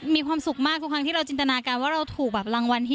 มีความสุขมากทุกครั้งที่เราจินตนาการว่าเราถูกแบบรางวัลที่๑